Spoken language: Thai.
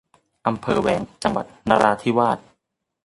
อำเภอแว้ง จังหวัดนราธิวาส